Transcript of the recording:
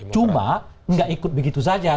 cuma nggak ikut begitu saja